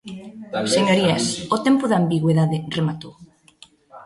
Señorías, o tempo da ambigüidade rematou.